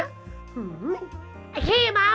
ไอ้ขี้เมา